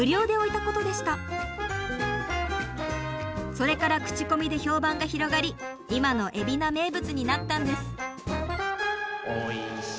それから口コミで評判が広がり今の海老名名物になったんです。